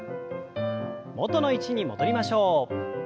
元の位置に戻りましょう。